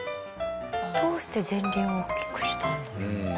どうして前輪を大きくしたんだろう？